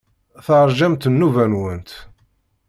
Teṛjamt nnuba-nwent.